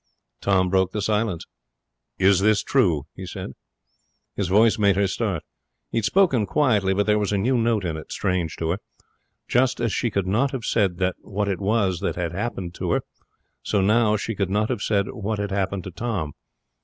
Tom broke the silence. 'Is that true?' he said. His voice made her start. He had spoken quietly, but there was a new note in it, strange to her. Just as she could not have said what it was that had happened to her, so now she could not have said what had happened to Tom.